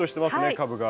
株が。